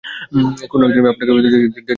কোনো একদিন আপনাকে দেখাতে পারলে খুশি হবো।